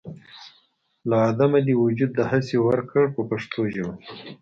له عدمه دې وجود دهسې ورکړ په پښتو ژبه.